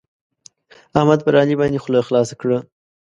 احمد پر علي باندې خوله خلاصه کړه.